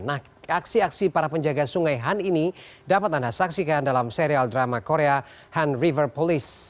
nah aksi aksi para penjaga sungai han ini dapat anda saksikan dalam serial drama korea han riverpolice